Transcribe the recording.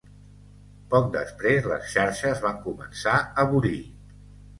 Poc després les xarxes van començar a bullir.